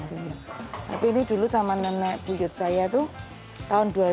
tapi ini dulu sama nenek buyut saya itu tahun seribu sembilan ratus dua puluh tiga